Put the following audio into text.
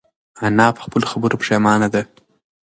انا په خپلو خبرو پښېمانه ده.